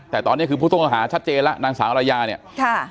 แต่ตอนนี้คือผู้ต้องหาชัดเจนแล้วนางสาวอรยาเนี่ยค่ะ